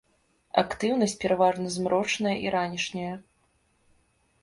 Актыўнасць пераважна змрочная і ранішняя.